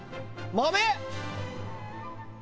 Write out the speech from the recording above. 豆？